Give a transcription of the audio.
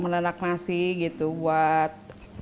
melenak nasi gitu buat